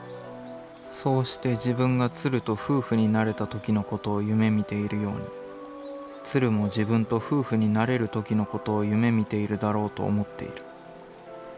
そうして自分が鶴と夫婦になれた時のことを夢みているように鶴も自分と夫婦になれる時のことを夢見ているだろうと思っている。